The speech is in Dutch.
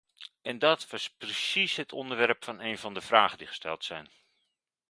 En dat was precies het onderwerp van een van de vragen die gesteld zijn.